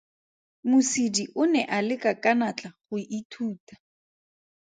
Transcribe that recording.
Mosidi o ne a leka ka natla go ithuta.